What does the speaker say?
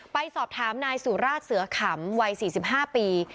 ไปสอบถามนายสุราชเสือขำวัย๔๕ปี